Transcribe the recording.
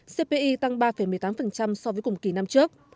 cpi tăng ba một mươi tám so với cùng kỳ năm trước